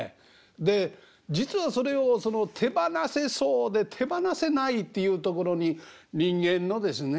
で実はそれを手放せそうで手放せないっていうところに人間のですね